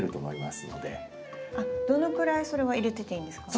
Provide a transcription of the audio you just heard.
どのくらいそれは入れてていいんですか？